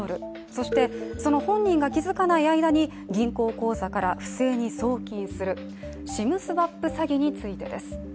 そして、その本人が気づかない間に銀行口座から不正に送金するＳＩＭスワップ詐欺についてです。